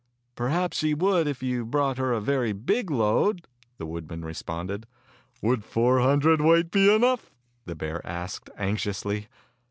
^" "Perhaps she would if you brought her a very big load," the woodman responded. "Would four hundred weight be enough " the bear asked anxiously.